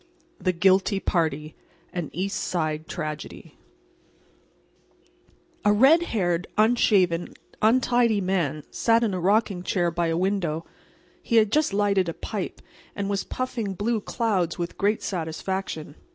"THE GUILTY PARTY" A red haired, unshaven, untidy man sat in a rocking chair by a window. He had just lighted a pipe, and was puffing blue clouds with great satisfaction.